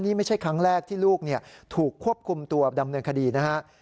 นี่ไม่ใช่ครั้งแรกที่ลูกถูกควบคุมตัวดำเนินคดีนะฮะ